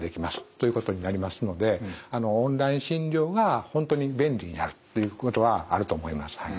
ということになりますのでオンライン診療が本当に便利になるということはあると思います。